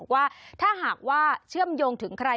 ว่าถ้าหากว่าเชื่อมโยงถึงใคร